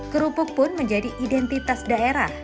kerupuk pun menjadi identitas daerah